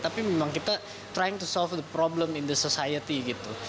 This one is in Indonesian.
tapi memang kita mencoba untuk menyelesaikan masalah di masyarakat